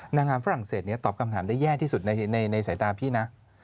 นางงามฝรั่งเศสตอบคำถามได้แย่ที่สุดในสายตาพี่นะ